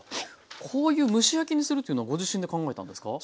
こういう蒸し焼きにするっていうのはご自身で考えたんですか？